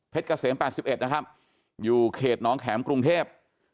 เพชรเกษมแปดสิบเอ็ดนะครับอยู่เขตน้องแข็มกรุงเทพ